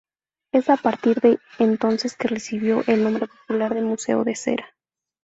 Es a parir de entonces que recibió el nombre popular de Museo de Cera.